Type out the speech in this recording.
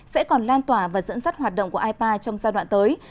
sẽ còn lan tỏa và dẫn dắt hoạt động của ipa trong giai đoạn tới